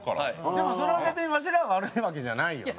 でもそれは別にワシらが悪いわけじゃないよな。